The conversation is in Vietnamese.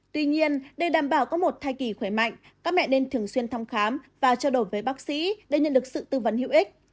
tuy nhiên để đảm bảo có một thai kỳ khỏe mạnh các mẹ nên thường xuyên thăm khám và trao đổi với bác sĩ để nhận được sự tư vấn hữu ích